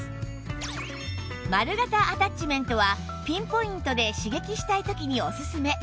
丸型アタッチメントはピンポイントで刺激したい時におすすめ